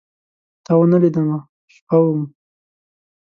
تاونه لیدمه، شپه وم